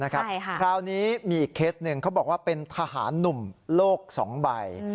คราวนี้มีอีกเคสหนึ่งเขาบอกว่าเป็นทหารหนุ่มโลก๒ใบ